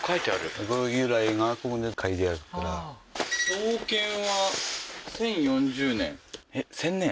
創建は１０４０年えっ１０００年？